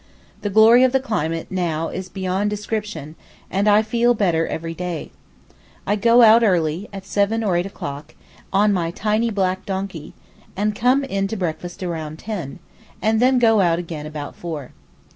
The glory of the climate now is beyond description, and I feel better every day. I go out early—at seven or eight o'clock—on my tiny black donkey, and come in to breakfast about ten, and go out again at four.